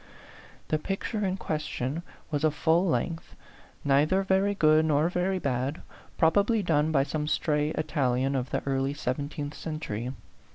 The picture in question was a full length, neither very good nor very bad, probably done by some stray Italian of the early sev enteenth century.